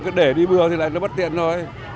cứ để đi vừa thì lại nó bất tiện thôi